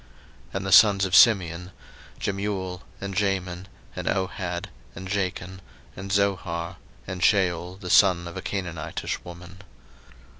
01:046:010 And the sons of Simeon; Jemuel, and Jamin, and Ohad, and Jachin, and Zohar, and Shaul the son of a Canaanitish woman.